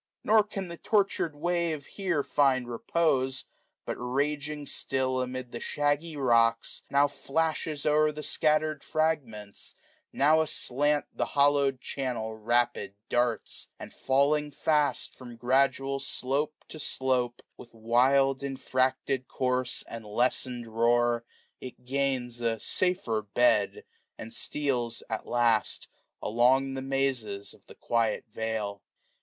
Nor can the tortur'd wave here find repose ; But, raging still amid the shaggy rocks^ 600 Now flashes o'er the scattered fragments, how Aslant the hollowed channel rapid darts ; And felling fast from gradual slope to slopCj With wild infracted course, and lessened roar, It gains a safer bed ; and steals, at last, 605 Along the mazes of the quiet vale.